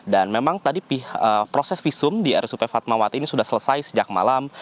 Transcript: dan memang tadi proses visum di rsup fatmawati ini sudah selesai sejak malam